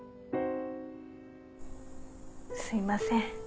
すいません。